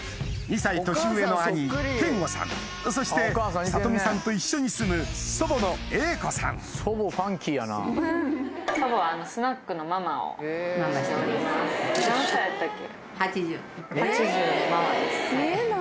２歳年上の兄賢吾さんそして智実さんと一緒に住む祖母の榮子さんママしてます。